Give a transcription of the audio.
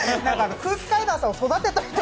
空気階段さんを育てたみたい